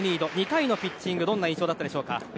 ２回のピッチングどんな印象でしたか？